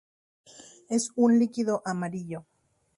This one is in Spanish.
Es un líquido amarillo.